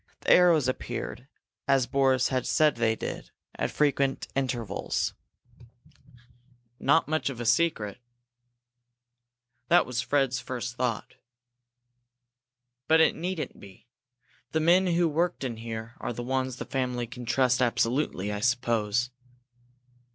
The arrows appeared, as Boris had said they did, at frequent intervals. "Not much of a secret." That was Fred's first thought. "But it needn't be. The men who worked in here are the ones the family can trust absolutely, I suppose."